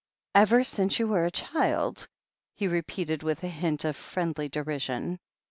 "Ever since you were a child !" he repeated with a hint of friendly derision.